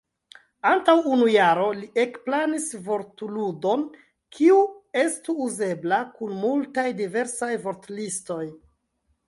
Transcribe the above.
Antaŭ unu jaro li ekplanis vortludon kiu estu uzebla kun multaj diversaj vortlistoj.